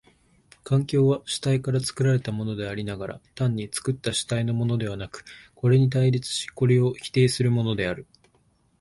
環境は主体から作られたものでありながら、単に作った主体のものではなく、これに対立しこれを否定するものである。